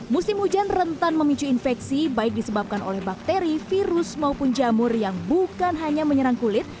musim hujan rentan memicu infeksi baik disebabkan oleh bakteri virus maupun jamur yang bukan hanya menyerang kulit